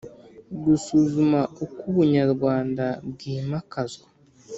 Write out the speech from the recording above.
Gusuzuma uko ubunyarwanda bw’imakazwa